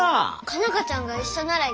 佳奈花ちゃんが一緒なら行く。